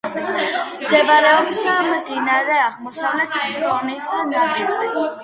მდებარეობს მდინარე აღმოსავლეთ ფრონის ნაპირზე.